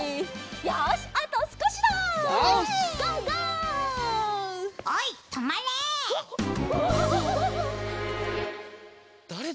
だれだ？